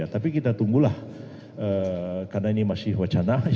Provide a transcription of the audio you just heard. tapi kita tunggulah karena ini masih wacana